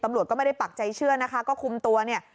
ตำรวจก็ไม่ได้ปักใจเชื่อนะคะก็คุมตัวเนี่ย